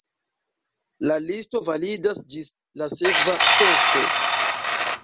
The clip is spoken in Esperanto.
La listo validas ĝis la sekva censo.